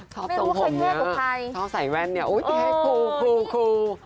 ชอบตรงห่วงเนี่ยชอบใส่แว่นเนี่ยคูลไม่รู้ใครเท่กับใคร